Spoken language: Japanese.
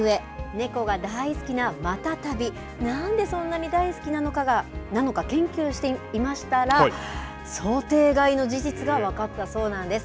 猫が大好きなマタタビ、なんでそんなに大好きなのか研究していましたら、想定外の事実が分かったそうなんです。